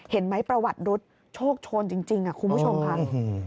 เห็นไหมประวัติรุษโชคโชนจริงคุณผู้ชมค่ะ